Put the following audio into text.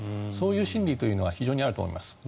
そういう心理というのは非常にあると思います。